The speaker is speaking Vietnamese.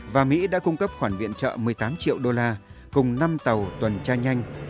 và mỹ đã cung cấp khoản viện trợ một mươi tám triệu đô la cùng năm tàu tuần tra nhanh